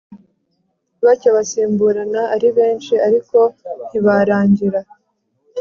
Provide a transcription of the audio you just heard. bacyo basimburana ari benshi ariko ntibarangira